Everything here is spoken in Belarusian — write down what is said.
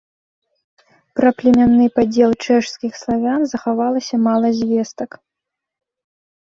Пра племянны падзел чэшскіх славян захавалася мала звестак.